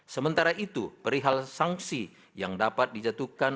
sementara itu perihal sanksi yang dapat dijatuhkan